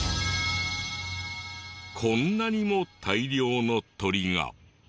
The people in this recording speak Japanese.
こんなにも大量の鳥が。